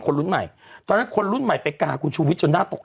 รุ่นใหม่ตอนนั้นคนรุ่นใหม่ไปกาคุณชูวิทยจนน่าตก